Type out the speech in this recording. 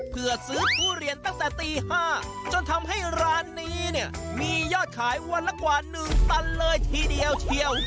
เพื่อซื้อทุเรียนตั้งแต่ตี๕จนทำให้ร้านนี้เนี่ยมียอดขายวันละกว่า๑ตันเลยทีเดียวเชียว